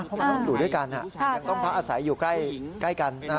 เพราะมันต้องอยู่ด้วยกันยังต้องพักอาศัยอยู่ใกล้กัน